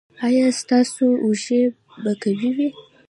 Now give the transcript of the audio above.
ایا ستاسو اوږې به قوي وي؟